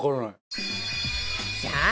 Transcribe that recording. さあ